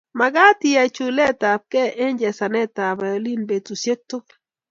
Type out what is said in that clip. makat iyai chulet ap kei eng chesanet ap violini petusiek tukul